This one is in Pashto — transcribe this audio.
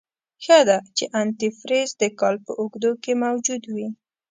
ښه ده چې انتي فریز دکال په اوږدو کې موجود وي.